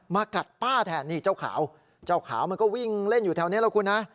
กัดป้าแทนนี่เจ้าขาวเจ้าขาวมันก็วิ่งเล่นอยู่แถวนี้แล้วคุณฮะ